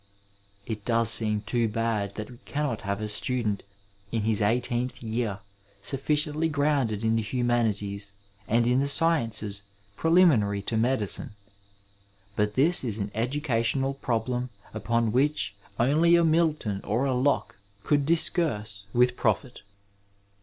It does seem too bad that we cannot have a student in his eighteenth year sufficiently grounded in the humanities and in the sciences preliminary to medicine — ^but this is an educational problem upon which only a Milton or a Locke could discourse with profit.